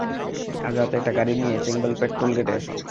আজ রাতে একটা গাড়ি নিয়ে চেঙ্গলপেট টোল গেটে এসো।